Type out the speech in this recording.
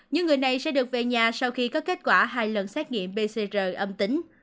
những người này sẽ được về nhà sau khi có kết quả hai lần xét nghiệm pcr âm tính